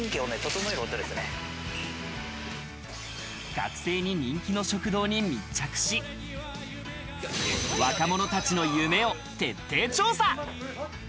学生に人気の食堂に密着し、若者たちの夢を徹底調査。